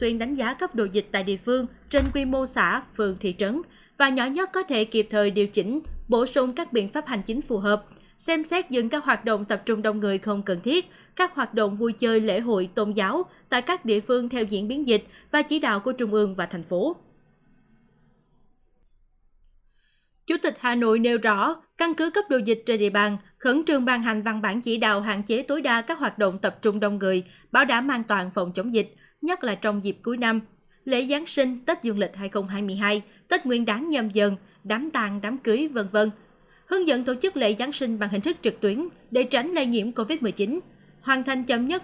ngoài dịp lễ giáng sinh đánh đạp quận hoàn kiếm cũng yêu cầu các phường căn cứ cấp độ dịch đưa ra chỉ đạo hạn chế tối đa các hoạt động tập trung đông người trong cả dịp tết dương lịch hai nghìn hai mươi hai và tết nguyên đáng nhầm dần